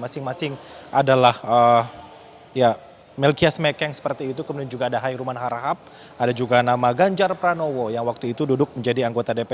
masing masing adalah melkias mekeng seperti itu kemudian juga ada hairuman harahap ada juga nama ganjar pranowo yang waktu itu duduk menjadi anggota dpr